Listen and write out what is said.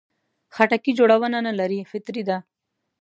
خټکی جوړونه نه لري، فطري ده.